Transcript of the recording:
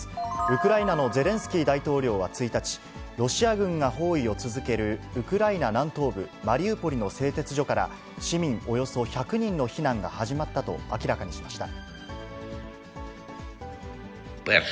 ウクライナのゼレンスキー大統領は１日、ロシア軍が包囲を続けるウクライナ南東部マリウポリの製鉄所から、市民およそ１００人の避難が始まったと明らかにしました。